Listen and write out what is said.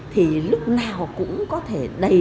thì lúc nào cũng có thể đầy